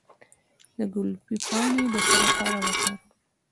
د ګلپي پاڼې د څه لپاره وکاروم؟